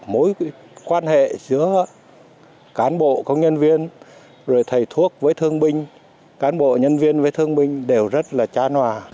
mối quan hệ giữa cán bộ công nhân viên rồi thầy thuốc với thương bệnh binh cán bộ nhân viên với thương bệnh binh đều rất là tra noà